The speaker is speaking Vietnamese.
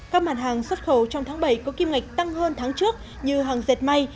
các mặt hàng xuất khẩu trong tháng bảy có kim ngạch tăng hơn tháng trước như hàng dệt may